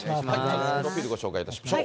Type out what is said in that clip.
プロフィールご紹介いたしましょう。